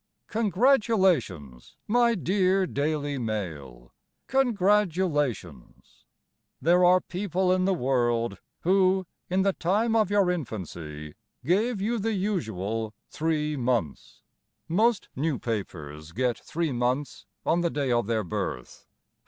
Congratulations, My dear Daily Mail, Congratulations! There are people in the world Who, In the time of your infancy, Gave you the usual three months. Most new papers Get three months on the day of their birth.